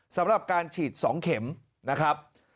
สำหรับการฉีด๒เข็มนะครับ